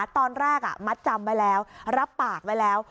ตอนแรกมัดจำไว้แล้วรับปากไว้แล้ว